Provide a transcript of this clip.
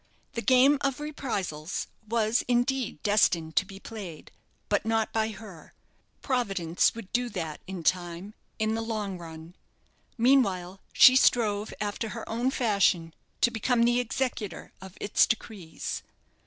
The game of reprisals was, indeed, destined to be played, but not by her; Providence would do that, in time, in the long run. Meanwhile, she strove, after her own fashion, to become the executor of its decrees.